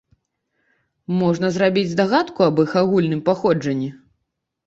Можна зрабіць здагадку аб іх агульным паходжанні.